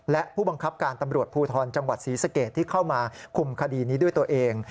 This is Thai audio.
และผู้บังคับการตำรวจภูทรจังหวัดศรีสเกตที่เข้ามาคุมคดีนี้ด้วยตัวเอง